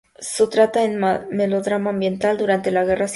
Se trata de un melodrama ambientado durante la Guerra Civil española.